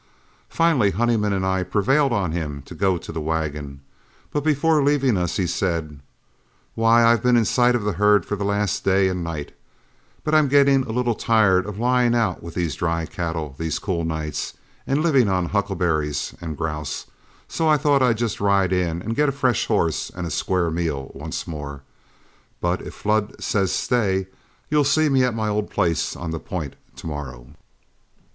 Finally Honeyman and I prevailed on him to go to the wagon, but before leaving us he said, "Why, I've been in sight of the herd for the last day and night, but I'm getting a little tired of lying out with the dry cattle these cool nights, and living on huckleberries and grouse, so I thought I'd just ride in and get a fresh horse and a square meal once more. But if Flood says stay, you'll see me at my old place on the point to morrow."